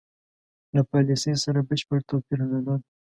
له پالیسی سره بشپړ توپیر درلود.